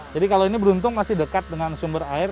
jadi kalau ini beruntung masih dekat dengan sumber air